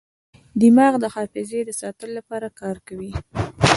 دماغ د حافظې د ساتلو لپاره کار کوي.